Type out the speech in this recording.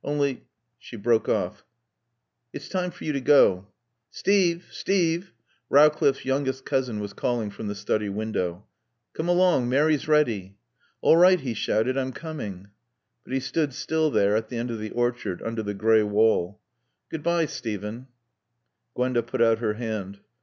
Only " She broke off. "It's time for you to go." "Steve! Steve!" Rowcliffe's youngest cousin was calling from the study window. "Come along. Mary's ready." "All right," he shouted. "I'm coming." But he stood still there at the end of the orchard under the gray wall. "Good bye, Steven." Gwenda put out her hand.